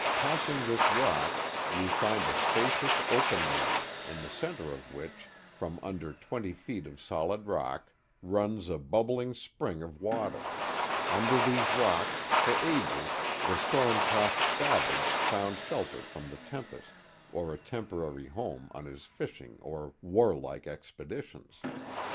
Passing this rock you find a spacious open room, in the centre of which, from under twenty feet of solid rock, runs a bubbling spring of water. Under these rocks, for ages, the storm tossed sav age found shelter from the tempest, or a temporary home on his fishing or warlike expeditions.